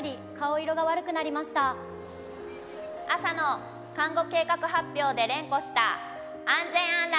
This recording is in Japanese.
「朝の看護計画発表で連呼した安全安楽」。